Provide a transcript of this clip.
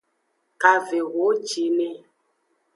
Kavehocine.